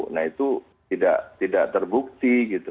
nah itu tidak terbukti gitu